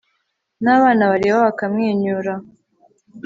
n'abana bareba bakamwenyura